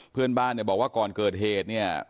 เพื่อนบ้านเนี่ยบอกว่าก่อนเกิดเหตุเนี่ย